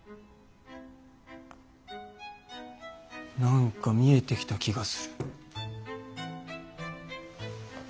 何か見えてきた気がする。